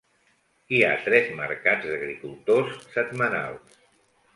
Hi ha tres mercats d'agricultors setmanals.